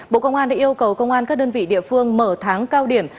bộ công an đã yêu cầu công an các đơn vị địa phương mở tháng cao điểm